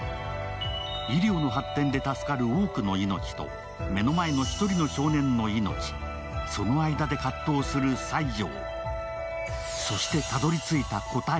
医療の発展で助かる多くの命と目の前の１人の少年の命、その間で葛藤する西條。